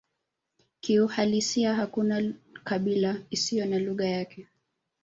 Kiuhalisia hakuna kabila isiyokuwa na lugha yake